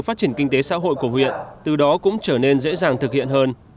phát triển kinh tế xã hội của huyện từ đó cũng trở nên dễ dàng thực hiện hơn